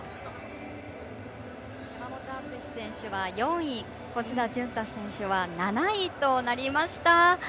山本篤選手は４位小須田潤太選手は７位となりました。